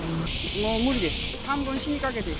もう無理です！